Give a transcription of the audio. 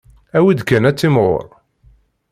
Awi-d kan ad timɣur.